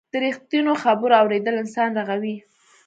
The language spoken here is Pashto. د رښتینو خبرو اورېدل انسان رغوي.